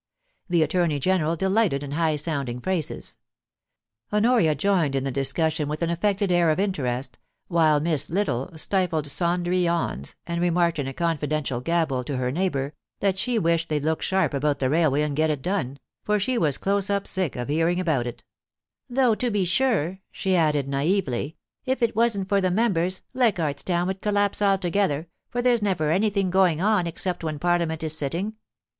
The Attorney General delighted in high sounding phrases. Honoria joined in the discussion with an affected air of interest, while Miss Little stifled sundry yawns, and remarked in a confidential gabble to her neighbour that she wished they'd look sharp about the railway and get it done, for she was close up sick of hearing about it ;* though to be sure,' she added naively, * if it wasn't for the members Leichardt's Town would collapse altogether, for there's never anything going on except when Parliament is sitting.